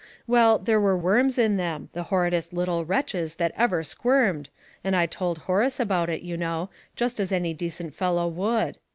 Well, there were worms in them, the horridest little wretches that ever squirmed and I told Horace about it, you know, just as any decent fellow would.